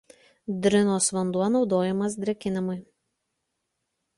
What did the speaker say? Drinos vanduo naudojamas drėkinimui.